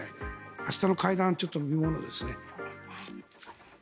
明日の会談はちょっと見ものですね。